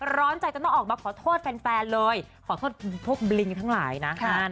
ร้อนใจจนต้องออกมาขอโทษแฟนเลยขอโทษพวกบลิงทั้งหลายนะ